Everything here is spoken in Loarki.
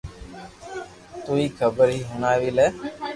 تو ھي خبر ھي ھڻاوي لي